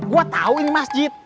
gua tau ini masjid